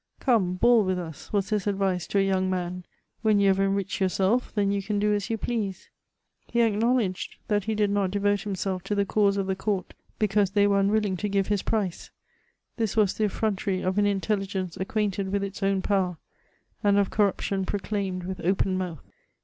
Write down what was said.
^^ Come, bawl with us," was his advice to a young man ; "when you have enriched yourself, then you can do as you please." He ac knowledged that he did not devote himself to the cause of the court, because they were unwilling to give his price ; this was the efirontery of an intelligence acquainted with its own power, and of corruption proclaimed with open mouth.